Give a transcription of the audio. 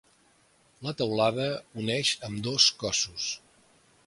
La teulada uneix ambdós cossos.